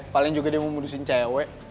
paling juga dia mau ngurusin cewek